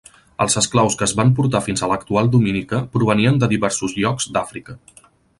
Els esclaus que es van portar fins a l'actual Dominica provenien de diversos llocs d'Àfrica.